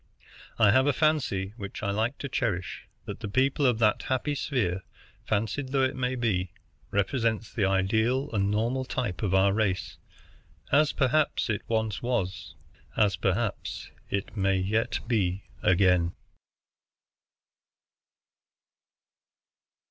I have a fancy, which I like to cherish, that the people of that happy sphere, fancied though it may be, represent the ideal and normal type of our race, as perhaps it once was, as perhaps it may yet be again.